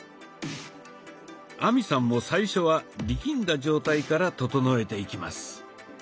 亜美さんも最初は力んだ状態から整えていきます。